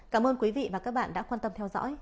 cảm ơn quý vị và các bạn đã quan tâm theo dõi